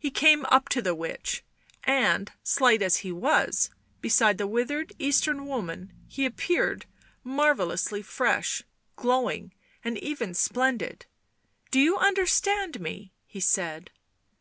He came up to the witch, and, slight as he was, beside the withered Eastern woman, he appeared mar vellously fresh, glowing and even splendid. "Do you understand me?" he said.